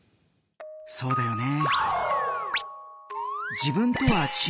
そうだよね。